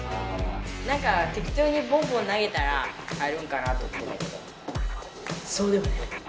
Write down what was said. なんかてき当にポンポン投げたら入るんかなと思ってたけどそうでもない。